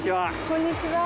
こんにちは。